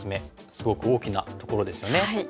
すごく大きなところですよね。